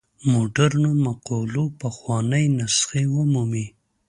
مډرنو مقولو پخوانۍ نسخې ومومي.